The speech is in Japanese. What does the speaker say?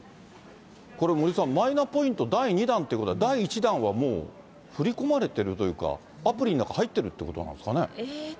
これ、森さん、マイナポイント、第２弾ということは、第１弾はもう振り込まれてるというか、アプリの中、入っているということなんですかね。